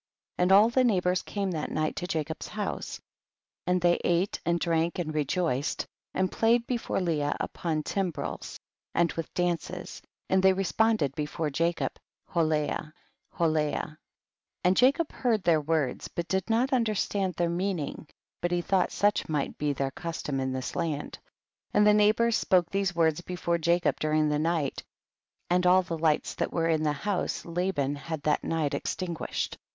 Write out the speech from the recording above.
7. And all the neighbors came that night to Jacob's house, and they ate and drank and rejoiced, and played before Leah upon timbrels, and with dances,* and they responded befoi'e Jacob, Heleah, Heleah.t 8. And Jacob heard their words but did not understand their meaning, but he thought such might be their custom in this land. 9. And the neighbors spoke these words before Jacob during the night, and all the lights that were in the house Laban had that night extin guished.